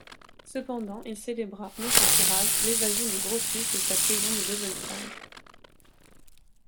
Cependant, il célébra, non sans courage, l’évasion de Grotius de sa prison de Loevestein.